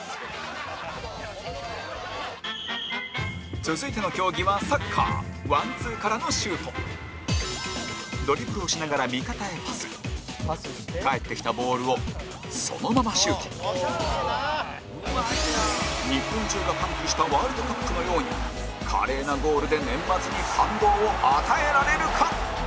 続いての競技はサッカーワンツーからのシュートドリブルをしながら味方へパス返ってきたボールをそのままシュート日本中が歓喜したワールドカップのように華麗なゴールで年末に感動を与えられるか？